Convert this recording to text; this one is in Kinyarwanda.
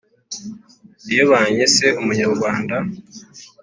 iyo banyise umunyarwanda